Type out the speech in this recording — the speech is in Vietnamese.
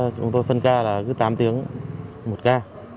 chúng tôi phân ca là cứ tám tiếng một ca